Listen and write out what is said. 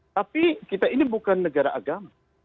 tapi kita ini bukan negara agama